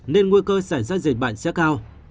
nên nguy cơ xảy ra dịch bệnh sẽ cao